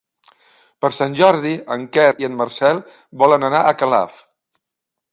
Per Sant Jordi en Quer i en Marcel volen anar a Calaf.